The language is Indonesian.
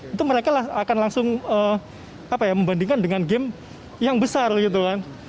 itu mereka akan langsung membandingkan dengan game yang besar gitu kan